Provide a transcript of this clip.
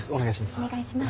お願いします。